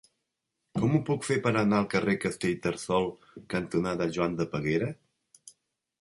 Com ho puc fer per anar al carrer Castellterçol cantonada Joan de Peguera?